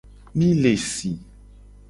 Mi le si.